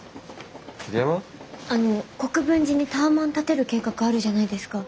あの国分寺にタワマン建てる計画あるじゃないですか？